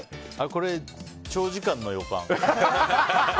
これ、長時間の予感。